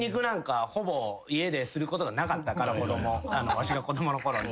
わしが子供の頃。